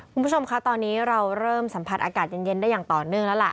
คุณผู้ชมคะตอนนี้เราเริ่มสัมผัสอากาศเย็นได้อย่างต่อเนื่องแล้วล่ะ